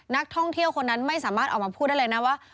นักท่องเที่ยวคนนั้นไม่สามารถออกมาพูดได้เลยนะว่า